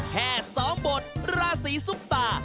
แค่๒บทราศีซุปตา